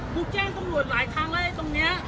หนูแจ้งตรงรวดหลายทางเลยตรงเนี้ย